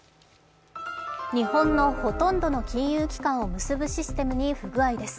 日本のほとんどの金融機関を結ぶシステムに不具合です。